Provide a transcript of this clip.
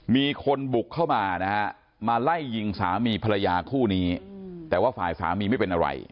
มีคนบุกเข้ามานะฮะมาไล่ยิงสามีภรรยาคู่นี้แต่ว่าฝ่ายสามีไม่เป็นอะไร